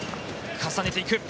重ねていく。